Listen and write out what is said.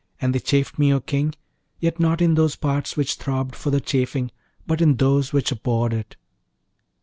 And they chafed me, O King; yet not in those parts which throbbed for the chafing, but in those which abhorred it.'